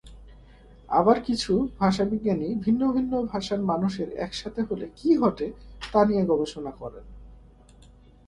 আবার কিছু ভাষাবিজ্ঞানী ভিন্ন ভিন্ন ভাষার মানুষ একসাথে হলে কী ঘটে, তা নিয়ে গবেষণা করেন।